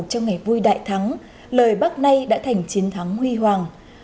trong ngày vui đại thắng lời bác nay đã thành chiến thắng huy hoàng